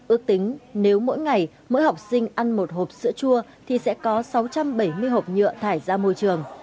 ước tính nếu mỗi ngày mỗi học sinh ăn một hộp sữa chua thì sẽ có sáu trăm bảy mươi hộp nhựa thải ra môi trường